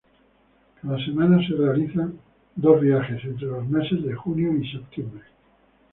Cada semana se realizan dos viajes entre los meses de junio y septiembre.